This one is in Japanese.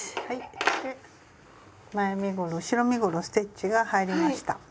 はいで前身ごろ後ろ身ごろステッチが入りました。